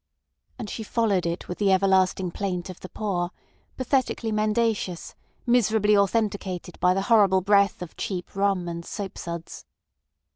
And she followed it with the everlasting plaint of the poor, pathetically mendacious, miserably authenticated by the horrible breath of cheap rum and soap suds.